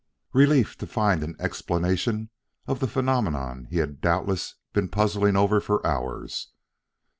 "Relief to find an explanation of the phenomenon he had doubtless been puzzling over for hours.